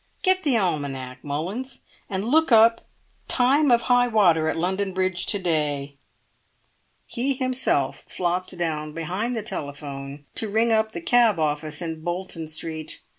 "Get the almanac, Mullins, and look up Time of High Water at London Bridge to day!" He himself flopped down behind the telephone to ring up the cab office in Bolton Street.